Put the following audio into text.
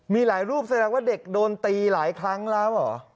มีหลายรูปแสดงว่าเด็กโดนตีหลายครั้งแล้วเหรอ